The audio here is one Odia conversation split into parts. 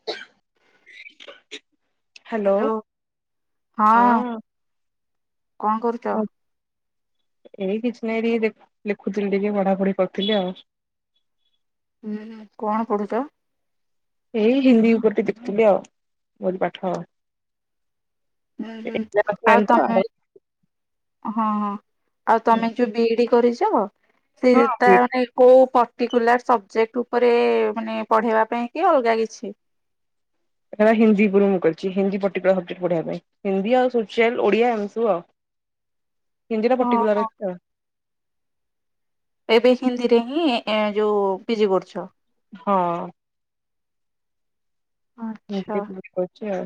[inaudible] ହ୍ୟାଲୋ, ହଁ, କଣ କରୁ ଏଇ କିଛି ନାଇଁ ଟିକେ ଦ-ଲେଖୁଥିଲି ଟିକେ ପଢାପଢି କରୁଥିଲି ଆଉ। କଣ ପଢ଼ୁଚ? ଏଇ ହିନ୍ଦୀ ଉପର ଟେ ଦେଖୁଥୁଲି ଆଉ ମୋରି ପାଠ। ହୁଁ, ହୁଁ ଆଉ ତୋମେ ହଁ, ହଁ ଆଉ ତୋମେ ଯୋଉ ବିଇଡି କରିଚ ସେଇ ତା ରେ କୋଉ ପର୍ଟିକୁଲାର୍ ସବଜେକ୍ଟ ଉପରେ ମାନେ ପଢେଇବା ପାଇଁ କି ଅଲଗା କିଛି? ଏଖେଣା ହିନ୍ଦୀ ଉପୁରୁ ମୁଁ କରିଛି, ହିନ୍ଦୀ ପର୍ଟିକୁଲାର୍ ସବଜେକ୍ଟ ପଢେଇବା ପାଇଁ। ହିନ୍ଦୀ ଆଉ ସୋସିଆଲ୍, ଓଡିଆ ଏମତି ସବୁ ଆଉ। ହିନ୍ଦୀ ଟା ହଁ ପର୍ଟିକୁଲାର୍ ହଁ ଅଛି ଆଉ। ଏବେ ହିନ୍ଦୀରେ ହିଁ ଏଁ ଯୋଉ ପିଜି କରୁଛ? ହଁ। ମୁଁ ଆଚ୍ଛା ସେ [inaudible] କରଛି ଆଉ।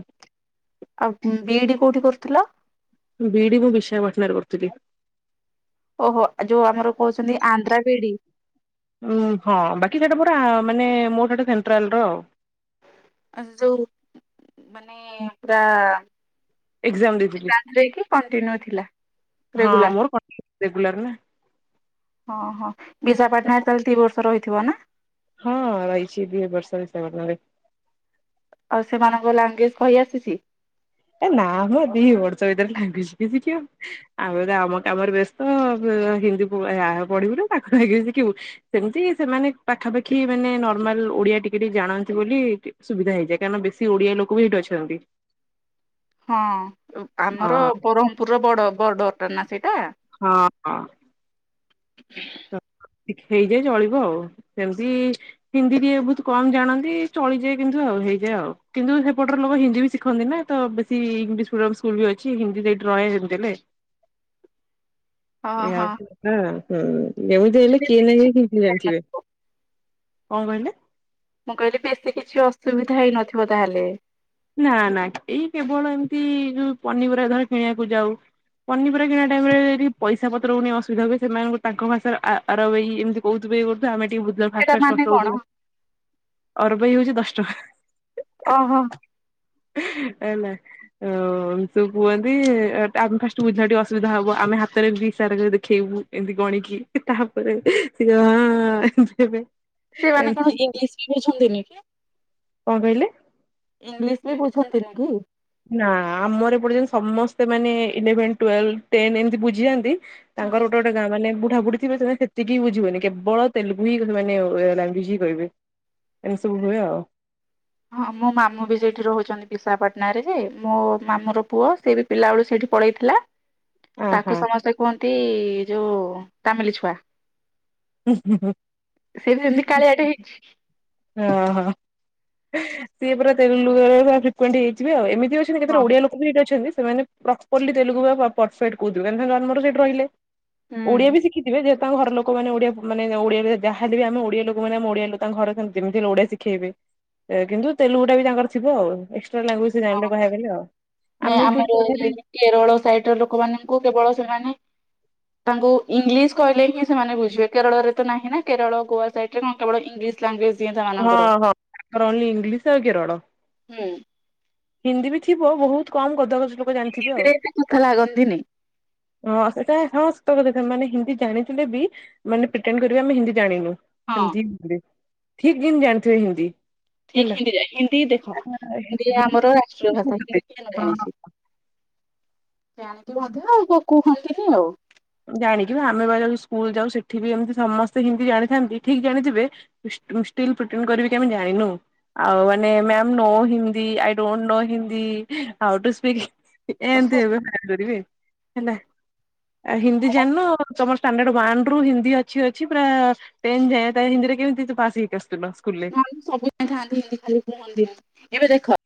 ଆଉ ହୁଁ, ବିଇଡି କୋଉଠି କରୁଥୁଲ? ବିଇଡି ମୁଁ ବିଶାଖାପାଟଣାାରେ କରିଥିଲି। ଓହୋ! ଯୋଉ ଆମର କହୁଛନ୍ତି ଆନ୍ଧ୍ରା ବିିଇଡି? ଉଁ, ହଁ ବାକି ସେଇଟା ପୁରା ମାନେ ମୋର ସେଟା ସେଣ୍ଟ୍ରାଲ୍ ର। ଆଚ୍ଛା ଯୋଉ ମାନେ ପୁରା ଏକ୍ଜାମ୍ ଦେଇ ଷ୍ଟାର୍ଟ ଦେଇକି କଣ୍ଟିନ୍ୟୁ ଥିଲା। ହଁ ରେଗୁଲାର ମୋର [inaudible] ରେଗୁଲାର୍ ନା। ସଁ, ହଁ ବିଶାଖପାଟଣାରେ ତାହେଲେ ଦି ବର୍ଷ ରହିଥିବ ନା? ହଁ ରହିଛି ଦି ବର୍ଷ ବିଶାଖପାଟଣାରେ। ଆଉ ସେମାନଙ୍କ ଲାଙ୍ଗୁଏଜ୍ କହି ଆସୁଛି? ଏ ନା ମ [unintelligible] ଆଉ ଏବେ ଆମ କାମରେ ବ୍ୟସ୍ତ ତ ହିନ୍ଦୀ ପଢିବୁ ନା [unintelligible] ଶିଖିବୁ ସେମିତି ସେମାନେ ପାଖାପାଖି ମାନେ ନର୍ମାଲ ଓଡିଆ ଟିକେ ଟିକେ ଜାଣନ୍ତି ବୋଲି। ସୁବିଧା ହେଇଯାଏ କାରଣ ବେଶୀ ଓଡିଆ ଲୋକ ବି ସେଇଠି ଅଛନ୍ତି। ହଁ ହଁ ଆମର ବରହମପୁରର ବଡ ବର୍ଡରଟା ନା ସେଇଟା। ହଁ। ହଁ ହେଇଯାଏ ଚଳିବ ଆଉ ସେମିତି ହିନ୍ଦୀ ତିଏ ବହୁତ କମ ଜାଣନ୍ତି ଚଳିଯାଏ କିନ୍ତୁ ଆଉ ହେଇଯାଏ ଆଉ କିନ୍ତୁ ସେପଟରେ ଲୋକ ହିନ୍ଦୀ ବି ଶିଖନ୍ତି ନା। ତ ବେଶୀ ଇଂଲିଶ ମିଡିୟମ ସ୍କୁଲ ବି ଅଛି ହିନ୍ଦୀ ସେଇଠି ରହେ ଯେମିତି ହେଲେ। ହଁ ଏୟା ହଁ। ହଉଛି କଥା। ହୁଁ ଯେମିତି ହେଲେ ବେଶୀ କିଏ କିଛି ନାହିଁ କି ଅସୁବିଧା ଥିବେ। ହେଇନଥିବ କଣ କହିଲେ? ମୁଁ କହିଲି ବେଶୀ କିଛି ଅସୁବିଧା ହେଇନଥିବ ତାହେଲେ? ନା ନା ଏଇ କେବଳ ଏମିତି ଯୋଉ ପନିପରିବା ଧର କିଣିବାକୁ ଯାଉ ପନିପରିବା କିଣା ଟାଇମ ରେ ଯଦି ପଇସା ପତ୍ରକୁ ନେଇ ଅସୁବିଧା ହୁଏ ସେମାନଙ୍କୁ ତାଙ୍କ ଭାଷାରେ ଆର ଏଇ ଏମତି କହୁଥିବେ ଗୋଟେ ଆମେ ଟିକେ ବୁ ଫାସ୍ଟ ସେଟା ଫାସ୍ଟ ମାନେ କଷ୍ଟ କଣ ହଉଥିଲା ଅରବେଇ ହଉଛି ଦଶ ଟଙ୍କା। ଅ ହଁ। ହେଲା? ଓ ସବୁ କୁହନ୍ତି ଆମେ ଫାଷ୍ଟ ବୁଝିବା ଅସୁବିଧା ହବ ଆମେ ହାତରେ ବି ଇସାରା କରି ଦେଖେଇବୁ। ଏମତି ଗଣିକି ତାପରେ ସିଏ ହଁ ଏନ୍ତି ହେବେ। ସେମାନେ କଣ ଏମିତି ଆଉ। ଇଂଲିଶ ବି ବୁଝନ୍ତିନି କି? କଣ କହିଲେ? ଇଂଲିଶ ବି ବୁଝନ୍ତିନି କି? ନା ଆମର ଏ ପଟେ ଯେନ୍ତି ସମସ୍ତେ ମାନେ ଇଲେଭେନ ଟ୍ୱେଲ ଟେନ ଏମିତି ବୁଝିଯାଆନ୍ତି ହଁ ତାଙ୍କର ଗୋଟେ ଗୋଟେ ଗାଁ ମାନେ ବୁଢାବୁଢି ଥିବେ ସେତିକି ବୁଝିବନି କେବଳ ତେଲୁଗୁ ହିଁ ମାନେ ଲାଙ୍ଗୁଏଜ ହିଁ କହିବେ ଏମତି ସବୁ ହୁଏ ଆଉ। ହଁ ମୋ ମାମୁଁ ବି ସେଇଠି ରହୁଛନ୍ତି ବିଶାଖାପାଟଣା ରେ ଯେ ମୋ ମାମୁଁ ର ପୁଅ ସେ ବି ପିଲାବେଳୁ ସେଇଠି ପଳେଇଥିଲା ତାକୁ ଆହା ସମସ୍ତେ କୁହନ୍ତି ଯୋଉ ତାମିଲି ଛୁଆ ସେ ଯେମିତି କାଳିଆଟେ ହେଇଛି ହଁ ହଁ ସିଏ ପୁରା ତେଲୁଗୁ [unintelligible] ହେଇଯିବେ ଆଉ ଏମିତି। ହଁ [unintelligible] ଓଡିଆ ଲୋକ ବି ସେଠି ଅଛନ୍ତି ସେମାନେ ପ୍ରପରଲି ତେଲୁଗୁ ବା ପରଫେକ୍ଟ କହୁଥିବେ ଆମର ସେଠି ରହିଲେ। ଓଡିଆ ବି ହୁଁ। ଶିଖିଥିବେ ଯେହେ ତାଙ୍କ ଘର ଲୋକ ଲୋକମାନେ ଓଡିଆ ମାନେ ଓଡିଆ ଯାହାଲେ ବି ଆମେ ଓଡିଆ ଲୋକମାନେ ଆମ ଓଡିଆ ଲୋକ ତାଙ୍କ ଘରେ ସେ ଯେମିତି ହେଲେ ଓଡିଆ ଶିଖେଇବେ କିନ୍ତୁ ତେଲୁଗୁ ଟା ବି ତାଙ୍କର ଥିବ ଆଉ ଏ ଲାଙ୍ଏଜ୍ [unintelligible] କହିଲେ ଆଉ ନେ ଆମେ ଆମର ବି କେରଳ ସାଇଡ ର ଲୋକମାନଙ୍କୁ କେବଳ ସେମାନେ ତାଙ୍କୁ ଇଂଲିଶ କହିଲେ ହିଁ ସେମାନେ ବୁଝିବେ କେରଳ ରେ ତ ନାହିଁ ନା କେରଳ ଗୋଆ ସାଇଡ ରେ କଣ କେବଳ ଇଂଲିଶ ଲାଙ୍ଗୁଏଜ [unintelligible] ହଁ ହଁ ତାର ଓନଲି ଇଂଲିଶ ଆଉ [unintelligible] ହୁଁ। ହିନ୍ଦୀ ବି ଥିବ ବହୁତ କମ ଗଧ ଗଛ ଲୋକ ଜାଣିଥିବେ ଆଉ। ହିନ୍ଦୀରେ ଏତେ କଥା ଲାଗନ୍ତିନି ହଁ ସେଟା ସମସ୍ତ କ ସେମାନେ ହିନ୍ଦୀ ଜାଣିଥିଲେ ବି ମାନେ ପ୍ରିଟେଣ୍ଡ କରିବେ ଆମେ ହିନ୍ଦୀ ଜାଣିନୁ ହଁ ସେମିତି [unintelligible] ଠିକ ଜାଣିିଥିବେ ହିନ୍ଦୀ। ଠିକ ହେଲା। ହିନ୍ଦୀ ଯାଏ ହିନ୍ଦୀ ଦେଖ ହିନ୍ଦୀ ଆମର ରାଷ୍ଟ୍ରୀୟ ଭାଷା ହିନ୍ଦୀ କିଏ ନ ଜାଣିଛି? ହଁ ସେ ଜାଣିକି ମଧ୍ଯ କୁହନ୍ତିନି ଆଉ। ଜାଣିକି ଆମେ ବା ଯଦି ସ୍କୁଲ ଯାଉ ସେଠି ବି ଏମିତି ସମସ୍ତେ ହିନ୍ଦୀ ଜାଣିଥାନ୍ତି ଠିକ ଜାଣିଥିବେ ଷ୍ଟିଲ ପ୍ରିଟେଣ୍ଡ କରିବେ ଆମେ ଜାଣିନୁ। ଆଉ ମାନେ ma'am no Hindi I don't know Hindi how to speak ଏମିତି ହେବେ ବା କରିବେ ହେଲା। ଆ ହିନ୍ଦୀ ଜାଣିନ ତମର ଷ୍ଟାଣ୍ଡଡ ୱାନ ରୁ ହିନ୍ଦୀ ଅଛି ଅଛି ପୁରା ଟେନ୍ ଯାଏ ତାହେଲେ ହିନ୍ଦୀରେ କେମିତି ତୁ ପାସ ହେଇକି ଆସୁଥିଲ ସ୍କୁଲରେ। ସବୁ ଯାଇଥାନ୍ତି ହିନ୍ଦିଖାଲି କୁହନ୍ତି ଏବେ ଦେଖ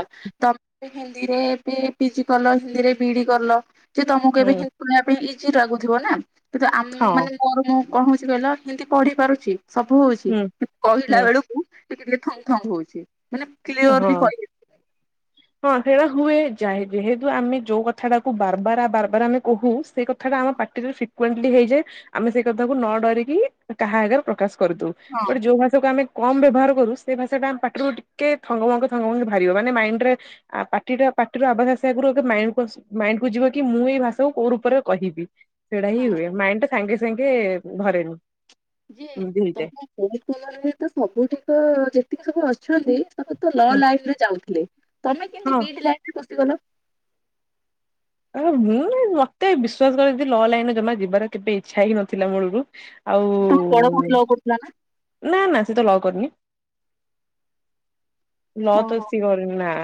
ତମେ ହିନ୍ଦୀରେ ଏବେ ପିଜି କଲ ହିନ୍ଦୀରେ ବିଡି କଲ। ଯେ ତମକୁ ହୁଁ ଏବେ ହିନ୍ଦିନବା ପାଇଁ ଇଜି ଲାଗୁଥିବ ନା କିନ୍ତୁ ହଁ ଆମେମାନେ ମୋର ମୁଁ କଣ ହଉଛି କହିଲ ହିନ୍ଦୀ ପଢି ପାରୁଛି ସବୁ ହଉଛି ହୁଁ କହିଲା ହୁଁ ବେଳକୁ ଟିକେ ଟିକେ ଥଙ୍ଗ ଥଙ୍ଗ ହଉଛି ମାନେ କ୍ଲିଅରଲି ହଁ। କହି [inaudible] ହଁ ସେଇଟା ହୁଏ ଯା ଯେହେତୁ ଆମେ ଯୋଉ କଥାଟ ଟାକୁ ବାରବାର ବାରବାର ଆମେ କହୁ ସେ କଥା କଥାଟା ଆମ ପାଟିରେ ଫ୍ରିକଣ୍ଟଲି ହେଇଯାଏ ଆମେ ସେଇ କଥାକୁ ନ ଡରିକି କାହା ଆଗରେ ପ୍ରକାଶ କରିଦଉ। ହଁ ବଟ ଯୋଉ ଭାଷାକୁ ଆମେ କମ ବ୍ୟବହାର କରୁ ସେ ଭାଷା ଟା ଆମ ପାଟିରୁକି କେ ଥଙ୍ଗ ଭଙ୍ଗ ଥଙ୍ଗ ଭଙ୍କ ବାହାରିବ ମାନେ ମାଇଣ୍ଡରେ ପାଟି ଟା ପାଟିର ଆଭସ ଆସିବା ଆଗରୁ ଆଗେ ମାଇଣ୍ଡ କୁ ମାଇଣ୍ଡ କୁ ଯିବ କି ମୁଁ ଏଇ ଭାଷାକୁ କୋଉ ରୂପରେ କହିବି? ସେଇଟା ହିଁ ହଁ ହୁଏ ମାଇଣ୍ଡ ଟା ସାଙ୍ଗେସାଙ୍ଗେ ଭରେନି। ଯେ ତମରେ ତ ସବୁଠିକ ଯେତିକି ସବୁ ଅ ଅଛନ୍ତି ସବୁ ତ ଲ ଲାଇନରେ ଯାଉଥିଲେ ତମେ ହଁ। କେମତି ବିଡି ଲାଇନରେ ପସିଗଲ। ଆଉ ମୁଁ ମତେ ବିଶ୍ଵାସ କର ଏମିତି ଲ ଲାଇନରେ ଜମା ଯିବାର କେବେ ଇଚ୍ଛା ହିଁ ନଥିଲା ମୂଳରୁ। ଆଉ ତମ ବଡ ଭଉଣୀ ଲ କରୁଥିଲା ନା ନା ନା ସେ ତ ଲ କରିନି। ଲ ତ ଓହୋ ସିଏକରିନି ନା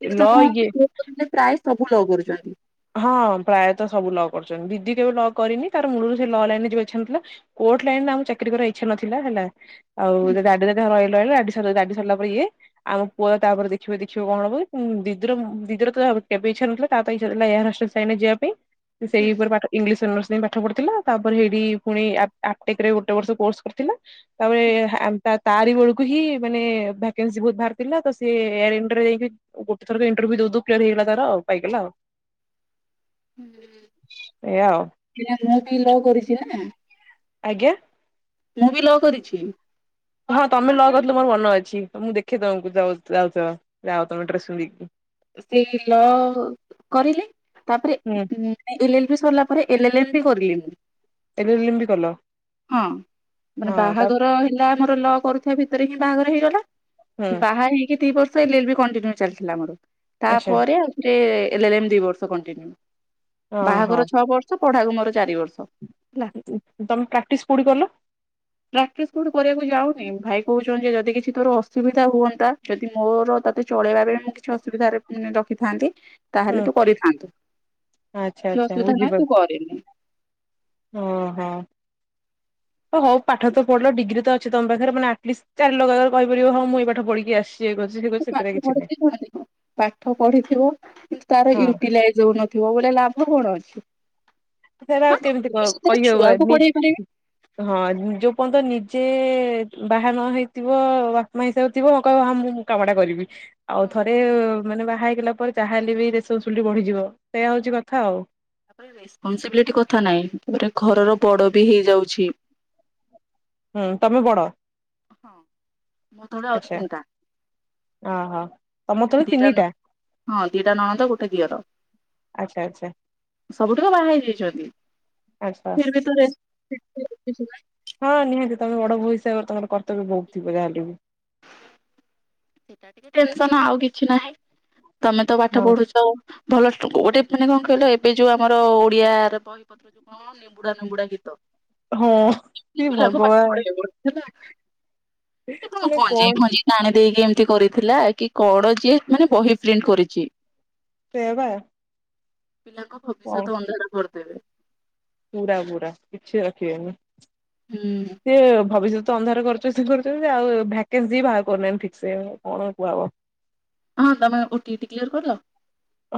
କିନ୍ତୁ ଲ ଇଏ ତମ ପ୍ରାୟ ସବୁ ଲ କରୁଛନ୍ତି। ହଁ ପ୍ରାୟତଃ ସବୁ ଲ କରୁଛନ୍ତି ଦିଦି କେବେ ଲ କରିନି ତାର ମୂଳରୁ ସେ ଲ ଲାଇନରେ ଯିବା ଇଛା ନଥିଲା। କୋର୍ଟ ଲାଇନରେ ତାଙ୍କୁ ଚାକିରି କରିବାର ଇଛା ନଥିଲା ହେଲା ଆଉ ହୁଁ ତା ଡାଡ଼ି ଆଇଲୁ ଆଇଲୁ ଡାଡି ସରଲା ପରେ ଇଏ। ଆମ ପୁଅ ତ ତାପରେ ଦେଖିବେ ଦେଖିବ କଣ ହବ ଦିଦିର ଦିଦିର ତ କେବେ ଇଚ୍ଛା ନଥିଲା ତା ତ ଇଛା ଏହାର ହଷ୍ଟ୍ରରେ ସାଇନ ଯିବା ପାଇଁ ସେ ସେଇ ହୁଁ ଉପରେ ପା ଇଂଲିଶ ଅନରସ୍ ନେଇ ପାଠ ପଢ଼ିଥିଲା ତାପରେ ହେଇଠି ପୁଣି ଆ ଆକ୍ତିକ୍ ରେ ଗୋଟେ ବର୍ଷ କୋରସ କରିଥିଲା। ହୁଁ ତାପରେ ତା ତାରି ବେଳକୁ ହିଁ ମାନେ ଭ୍ୟାକେନ୍ସି ବହୁତ ବାହାରିଥିଲା ତ ସେ ଏୟଇଣ୍ଡି ଯାଇକି ଗୋଟେ ଥର ଏଣ୍ଟର୍ଭ୍ୟୁ ଦଉ ଦଉୁ କ୍ଲିୟର ହେଇଲା ତାର ଆଉ ପାଇଗଲା ଆଉ। ଏଇଆ ଆଉ। ଏଇଆ ମୁଁ ବି ଲ କରିଛି ନା। ଆଜ୍ଞା। ମୁଁ ବି ଲ କରିଛି। ହଁ ତମେ ଲ କରିଥିଲ ମୋର ମନ ଅଛି ତ ମୁଁ ଦେଖେ ତମକୁ ଯାଉଥିବ ଯାଅ ତମେ ଡ୍ରେସ ପନ୍ଧିକି। ସେଇ ଲ କରିଲି ତାପରେ ହୁଁ ଉ ଏଲ ଏଲ ବି ସରିଲା ପରେ ଏଲ ଏଲ ବି କରିଲି ମୁ। ଏଲିଲିମ ବି କଲ ହଁ ମାନେ ହଁ ତା ବାହାଘର ହେଲା ମୋର ଲ କରୁଥିବା ଭିତରେ ହିଁ ବାହାଘର ହେଇଗଲା ହୁଁ ବାହା ହେଇକି ଦି ବର୍ଷ ସେଇ ଏଲ ଏଲ ବି କଣ୍ଟିନ୍ୟୁ ଚାଲିଥିଲା ମୋର। ଆଚ୍ଛା ତାପରେ ଆଉ ସେ ଏଲ ଏଲ ଏମ୍ ଦି ବର୍ଷ କଣ୍ଟିନ୍ୟୁ ହଁ ହଁ ବାହାଘର ଛଅ ବର୍ଷ ପଢାକୁ ମୋର ଚାରି ବର୍ଷ ହେଲା। ତମେ ପ୍ରାକ୍ଟିସ୍ କୋଠି କଲ। ପ୍ରାକ୍ଟିସ କୋଉଠୁ କରିବାକୁ ଯାଉନି ଭାଇ କହୁଛନ୍ତି ଯେ ଯଦି କିଛି ତୋର ଅସୁବିଧା ହୁଅନ୍ତା। ଯଦି ମୋର ତତେ ଚଳେଇବା ବେଳେ ମୁଁ କିଛି ଅସୁବିଧାରେ ରଖିଥାନ୍ତି। ତାହେଲେ ହୁଁ ତୁ କରିଥାନ୍ତୁ ଆଚ୍ଛା କିଛି ଆଚ୍ଛା ଅସୁବିଧା ନାହିଁ ବୁଝିପାରୁ ତୁ କରେନି। ଓହୋ। ହ ହଉ ପାଠ ତ ପଢିଲ ଡିଗ୍ରୀ ତ ଅଛି ତମ ପାଖରେ ମାନେ ଆଟଲିଷ୍ଟ ଚାରି ଲୋକ ଆଗରେ କହିପାରିବ ହଁ ମୁଁଇ ଏଇ ପାଠ ପଢିକି ଆସିଛି ଇଏ କର ପାଠ ପଢ଼ିଥିଲେ କଣ ହେଲା ପାଠ ପଢିଥିବୁ କିନ୍ତୁ ତାର ହଁ ୟୁଟିଲାଇଜ ହଉନଥିବ। ଥିବ ବଳେ ଲାଭ କଣ ଅଛି? ସେରା ହଁ ଆଉ ତ କେମିତି କଣ ଭବିଷ୍ୟତରେ କହି ଛୁଆକୁ ହବନି। ପଢେଇ ପାରିବେ ହଁ ଯୋଉ ପର୍ଯ୍ୟନ୍ତ ନିଜେ ବାହା ନ ହେଇଥିବ ବା ମାଇଁ ସବୁ ଥିବ ହଁ କହିବ ହଁ ମୁଁ ମୁଁ କାମଟା କରିବି। ଆଉ ହଁ ଥରେ ମାନେ ବାହା ହେଇଗଲା ପରେ ଯାହା ହେଲେ ବି ରେସପନ୍ସିବିଲିଟି ବଢିଯିବ ସେଇୟା ହଉଛି କଥା ଆଉ। ରେସ୍ପନ୍ସବିଲିଟି କଥା ନାଇଁ ଏଇଟା ଘରର ବଡ ବି ହେଇଯାଉଛି। ହୁଁ ତମେ ବଡ? ହଁ ମୋ ତଳେ ଆହୁରି ଆଚ୍ଛା ତିନି ଟା। ଓହୋ ତମ ତଳେ ଦିଟା ତିନିଟା ନ ହଁ ଦିଟା ନଣନ୍ଦ ଗୋଟେ ଦିଅର। ଆଚ୍ଛା ଆଚ୍ଛା ସବୁତିକ ବାହା ହେଇ ଯାଇଛନ୍ତି ଆଚ୍ଛା ଫିର୍ ବି ତ ରେସ ଯେତେହେଲେ ବି ସୁଧା ହଁ ନିହାତି ତମେ ବଡ ବୋହୂ ହିସାବରେ ତମର କର୍ତ୍ତବ୍ୟ ବହୁତ ଥିବ ଯା ହେଲେବି। ସେଇଟା ଟିକେ ଟେନସନ୍ ଆଉ କିଛି ନାହିଁ ତମେ ତ ପାଠ ହଁ ପଢୁଛ ଭଲ ଷ୍ଟୋ ଗୋଟେ ମାନେ କଣ କହିଲ ଏବେ ଯୋଉ ଆମର ଓଡିଆରେ ବହିପତ୍ର ଯୋଉ ହଁ ନେମ୍ୱୁଡ଼ା ନେମ୍ବୁଡ଼ା ଗିତ। ହଁ ଇ ହେ କି କଲାବେଳକୁ ପାଠ ଭଗବାନ ପଢେଇଲା ବେଳକୁ ପିଲା ଏ କ କଣ ଯାଇ ନାଣି ଦେଇକି ଏମିତି କରିଥିଲା କି କଣ ଯିଏ ମାନେ ବହି ପ୍ରିଣ୍ଟ କରିଛି। ସେଇଆ ପା। ପିଲାଙ୍କ ଭବିଷ୍ୟତ ଅନ୍ଧାର କରିଦେବେ। ପୁରା ପୁରା କିଛି ରଖିବେନି। ହୁଁ। ସିଏ ଭବିଷ୍ୟତ ତ ଅନ୍ଧାର କରୁଚନ୍ତି ସେ କରୁଛନ୍ତି ଆଉ ଭ୍ୟାକେନ୍ସି ବି ବାହାର କରୁନାହାନ୍ତି ଠିକ ସେ କଣ କୁହାହବ। ହଁ ତମେ ଓ ଟି ଇଟି କ୍ଲିୟର କରିଲ?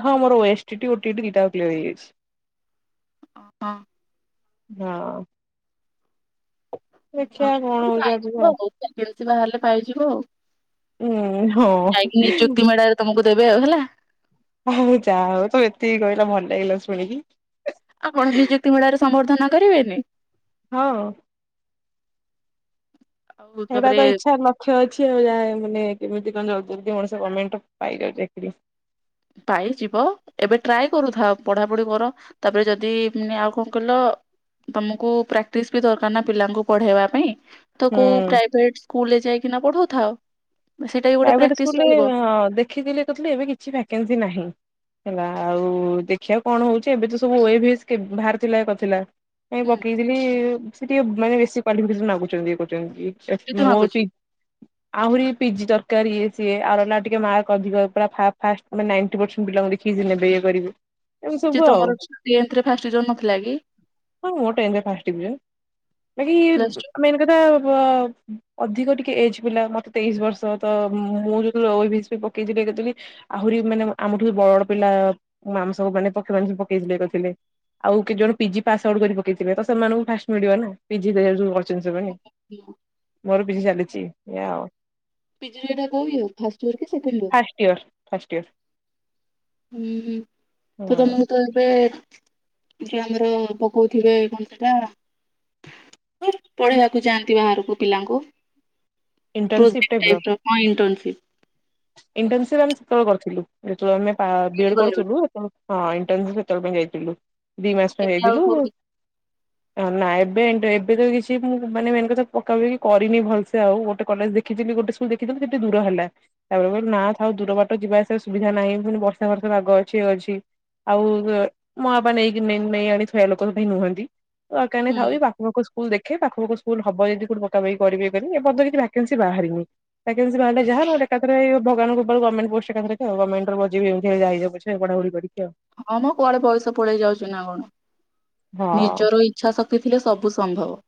ହଁ ମୋର O S T T O T ET ଦିଟାଙ୍କ କ୍ଲିୟର ହେଇଯାଇଛି। ଓ ହଁ। ହଁ। ଦେଖିବା କଣ ଭଲ ତ ହଉଛି ଆଗକୁ ଆଇଚି ପ ଆଉ କଣ ତୁଳସୀ ବାହାରିଲେ ପାଇଯିବ ଆଉ। ଉଁ ହଁ। ଯାଇକି ନିଯୁକ୍ତି ମେଳାରେ ତମକୁ ଦେବେ ଆଉ ହେଲା। ହଁ ହଉ ଯାଅ ହଉ ତମେ ଏତିକି କହିଲ ଭଲ ଲାଗିଲା ଶୁଣିକି। ଆଉ କଣ ଯେ ଯେ ନିଯୁକ୍ତି ମେଳାରେ ସମ୍ବର୍ଦ୍ଧନ କରିବେନି? ହଁ। ଆଉ ହେଇଟା ତାପରେ ତ ଇଚ୍ଛା ନ ଖ୍ୟ ଅଛି ଆଉ ଯାହା ମାନେ କେମିତି କଣ ଜଲଦି ଜଲଦି ମଣିଷ ଗମେଣ୍ଟ ପାଇଯାଉ ଚାକିରି। ପାଇଯିବ ଏବେ ଟ୍ରାଏ କରୁଥାଅ ପଢାପଢି କର। ତାପରେ ଯଦି ଉଁ ଆଉ କଣ କହିଲ ତମକୁ ପ୍ରାକ୍ଟିସ ବି ଦରକାର ନା ପିଲାଙ୍କୁ ପଢେଇବା ପାଇଁ। ତ ହୁଁ କୋଉ ପ୍ରାଇଭେଟ ସ୍କୁଲରେ ଯାଇକିନା ପଢଉଥାଅ। ସେଇଟା ବି ଗୋଟେ ପ୍ରାଇଭେଟ ପ୍ରାକ୍ଟିସ ସ୍କୁଲରେ ରହିବ। ଅ ଦେଖିଥିଲି ଇଏ କରିଥିଲି ଏବେ କିଛି ଭ୍ୟାକେନ୍ସି ନାହିଁ। ହେଲା ଆଉ ଦେଖିବା କଣ ହଉଛି। ଏବେ ତ ସବୁ ଓ ଏ ଭି ଏସ କେ ବାହାରିଥିଲା କରିଥିଲା। ଏଁ ହୁଁ ପକେଇଥିଲି ସେ ଟିକେ ମାନେ ବେଶୀ କ୍ୱାଲିଫିକେସନ ମାଗୁଛନ୍ତି ଇଏ କରୁଚନ୍ତି ସେ କେତେ ମୋ ମାଗୁଛି ପୀ ଆହୁରି ପି ଜି ଦ ଦରକାର ଇଏ ସିଏ ଆଉ ହେଲା ଟିକେ ମାର୍କ ଅଧିକ ପୁରା ଫା ଫାର୍ଷ୍ଟ ମାନେ ନାଇଣ୍ଟି ପର୍ସେଣ୍ଟ ପିଲାଙ୍କୁ ଦେଖି ନେବେ ଇଏ କରିବେ। ଏଇ ଯେ ସବୁ ଆଉ ତମର ଟେନ୍ଥ ରେ ଫାଷ୍ଟ ଇୟର ନଥିଲା କି ହଁ ମୋର ଟେନ୍ଥ ରେ ଫାର୍ଷ୍ଟ ଡିଭିଜନ। ବାକି ପ୍ଲସ ଟୁ? ବ ମେନ୍ କଥା ଆଉ ବ ଅଧିକ ଟିକେ ଏଜ ପିଲା ମତେ ତେଇସି ବର୍ଷ। ତ ମୁଁ ଯେତେବେଳେ ଓ ଏ ଭି ଏସ ପାଇଁ ପକେଇଥିଲି ଇଏ କରିଥିଲି ଆହୁରି ମାନେ ବ ଆମଠୁ ବି ବଡ ପିଲା ଆମେ ସବୁ ମାନେ ପକ୍ଷୀ ମାନେ ସବୁ ପକେଇଥିଲେ ଇଏ କରିଥିଲେ ଆଉ କେତ ଜଣ ପିଜି ପାସ ଆଉଟ୍ କରି ପକେଇଥିବେ ତ ସେମାନଙ୍କୁ ଫାଷ୍ଟ ମିଳିବ ନା ପିଜି ହ ଯୋଉ। ଚିନସ ପାଇଁ। ହଁ ମୋର ପି ଜି ଚାଲିଛି ଏଇଆ ଆଉ। ପି ଜିର ଏଟା କୋଉ ଇଅର ଫାଷ୍ଟ ଇୟର କି second year? First year first year. ହୁଁ ତ ହୁଁ। ତମକୁ ତ ଏବେ ଯିଏ ଆମର ପକଉଥିବେ ପୁଣି ସେଟା। ପଢ଼େଇବାକୁ ଯାଆନ୍ତି ବାହାରକୁ ପିଲାଙ୍କୁ। ଇଣ୍ଟର୍ନସିପ୍ ପ୍ରୋଜେକ୍ଟ ଟାଇପର ହଁ ଇଣ୍ଟର୍ନସିପ୍। ଇଂଟର୍ନସିପ୍ ଆମେ ସେତେବେଳେ କରିଥିଲୁ ଯେତେବେଳେ ଆମେ ପା ବି ଇ ସେଇଠି ଡ଼ି ଗଲାବେଳକୁ କରୁଥିଲୁ। ହଁ ଇଂଟର୍ନସି ସେତେବେଳେ ପାଇଁ ଯାଇଥିଲୁ ଦି ମାସ ପାଇଁ ଏବେ ଆଉ ଯାଇଥିଲୁ। କୋଉଠି ନା ଏବେ ଇଣ୍ଟେ ଏବେ ତ କିଛି ମୁଁ ମାନେ ମେନ୍ କଥା ପକାପିକି କରିନି ଭଲସେ ଆଉ ଗୋଟେ କଲେଜ ଦେ ଖିଥିଲି ଗୋଟେ ସ୍କୁଲ ଦେଖିଥିଲି ଯେ ଟେ ଦୂର ହେଲା। ତାପରେ କହି ନା ଥାଉ ଦୂର ବାଟ ଯିବା ଆସିବା ସୁବିଧା ନାହିଁ ପୁଣି ବର୍ଷା ଫର୍ଷା ପାଗ ଅଛି ଅଛି। ଆଉ ମା ବାପା ନେଇକି ନେ ନେଇଆଣି ଥୋଇଆ ଲୋକ ପାଇଁ ନୁହନ୍ତି ଦରକାର ନାହିଁ ହୁଁ ଥାଉ ଏ ପା ସ୍କୁଲ ଦେଖେ ପାଖ ପାଖ ସ୍କୁଲ ହବ ଯଦି କୋଠି ପକାପକି କରିବେ ଇଏ କରିବେ ଏପର୍ଯ୍ୟନ୍ତ କିଛି ଭାକେନସି ବାହାରିନି। ଭାକେନ୍ସି ବାହାରିଲେ ଯାହା ନହେଲେ ଏକାଥରେ ଭଗବାନଙ୍କ କୃପାରୁ ଗମେଣ୍ଟ ପୋଷ୍ଟ ଏକା ଥରକେ ଗମେଣ୍ଟ ରେ ବଜେଇବ ଯେମିତି ହେଲେ ଯାହା ହେଇଯାଉ ପଛେ ପଢା ପଢ଼ି କରିକି ଆଉ। ହଁ ମଁ କୁଆଡେ ବୟସ ପଳେଇ ଯାଉଛି ନା କଣ ହଁ ନିଜର ଇ ଚ୍ଛା ଶକ୍ତି ଥିଲେ ସବୁ ସମ୍ଭବ।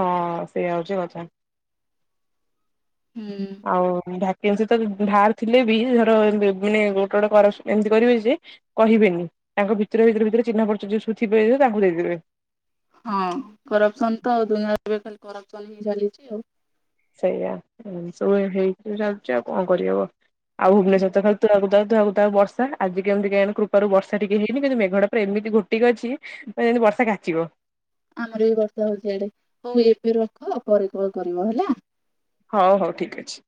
ହଁ ସେଇଆ ହଉଚି କଥା। ହୁଁ। ଆଉ ଭାକେନ୍ସି ତ ବାହାର ଥିଲେ ବି ଧର ଏମି ମାନେ ଗୋଟେ ଗୋଟେ କରସ୍ ଏମିତି କରିବେ ଯେ କହିବେନି ତାଙ୍କ ଭିତରେ ଭିତରେ ଭିତରେ ଚିହ୍ନ ପରିଚୟ ଯିଏ ସବୁ ଥିବେ ତାଙ୍କୁ ଦେଇଦେବେ। ହଁ କରପସନ ତ ଆଉ ଦୁନିଆ ଏବେ ଖାଲି କରପସନ ହିଁ ଚାଲିଛି ଆଉ। ସେଇଆ ସବୁ ହେଇକି ଯାଉଛି ଆଉ କଣ କରିହବ। ଆଉ ଭୁବନେଶ୍ୱରତ ଖାଲି ତୁହା କୁ ତୁହା ତୁହା କୁ ତ ବର୍ଷା ଆଜି କେମତି କେୟାଣି କୃପାରୁ ବର୍ଷା ଟିକେ ହେଇନି କିନ୍ତୁ ମେଘଟା ପରା ଏମିଟି ଘୋଟିକି ଅଛି। ମା ଯେମିତି ବର୍ଷା କାଚିବ। ଆମର ବି ବର୍ଷା ହଉଛି ଆଆଡ଼େ ହଉ ଏବେ ରଖ ପରେ କଲ କରିବ ହେଲା। ହଉ ହଉ ଠିକ୍ ଅଛି।